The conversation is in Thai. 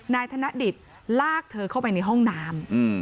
นายธนดิตลากเธอเข้าไปในห้องน้ำ